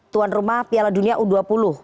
tuan rumah piala dunia u dua puluh